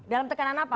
dalam tekanan apa